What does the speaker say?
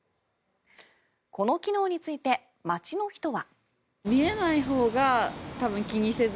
この機能について街の人は。